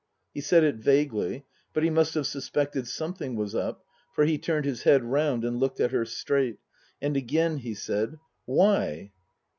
He said it vaguely. But he must have suspected something was up, for he turned his head round and looked at her straight ; and again he said, " Why